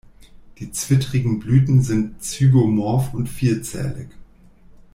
Die zwittrigen Blüten sind zygomorph und vierzählig.